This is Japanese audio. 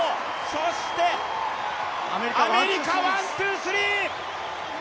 そして、アメリカワン・ツー・スリー！